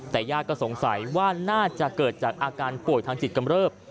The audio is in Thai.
แต่ญาติก็สงสัยว่าน่าจะเกิดจากอาการป่วยทางจิตกำเริบ